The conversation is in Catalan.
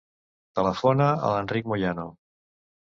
Telefona a l'Enric Moyano.